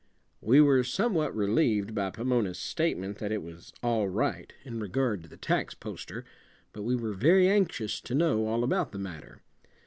We were somewhat relieved by Pomona's statement that it was "all right" in regard to the tax poster, but we were very anxious to know all about the matter.